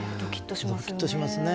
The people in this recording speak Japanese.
ドキッとしますね。